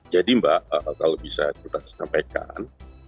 jadi mbak kalau bisa kita sampaikan